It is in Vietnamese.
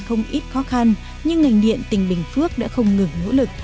không ít khó khăn nhưng ngành điện tỉnh bình phước đã không ngừng nỗ lực